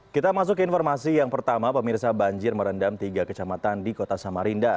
kita masuk ke informasi yang pertama pemirsa banjir merendam tiga kecamatan di kota samarinda